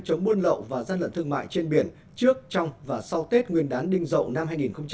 chống buôn lậu và gian lận thương mại trên biển trước trong và sau tết nguyên đán đinh dậu năm hai nghìn một mươi bảy